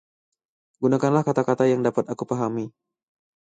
Gunakanlah kata-kata yang dapat aku pahami.